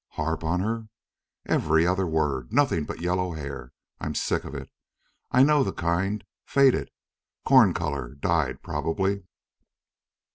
"Harp on her?" "Every other word nothing but yellow hair. I'm sick of it. I know the kind faded corn color dyed, probably.